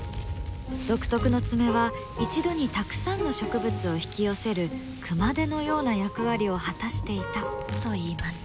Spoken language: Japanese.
独特の爪は一度にたくさんの植物を引き寄せる熊手のような役割を果たしていたといいます。